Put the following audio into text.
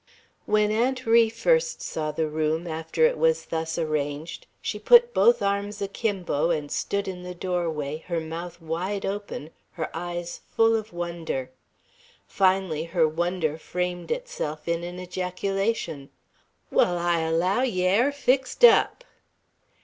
When Aunt Ri first saw the room, after it was thus arranged, she put both arms akimbo, and stood in the doorway, her mouth wide open, her eyes full of wonder. Finally her wonder framed itself in an ejaculation: "Wall, I allow yer air fixed up!"